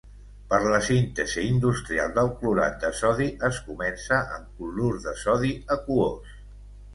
Per la síntesi industrial del clorat de sodi es comença amb clorur de sodi aquós.